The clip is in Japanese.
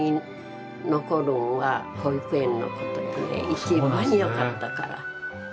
一番よかったから。